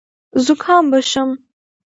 زکام به شم .